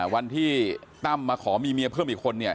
วันที่ตั้มมาขอมีเมียเพิ่มอีกคนเนี่ย